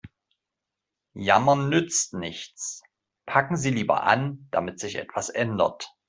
Jammern nützt nichts, packen Sie lieber an, damit sich etwas ändert.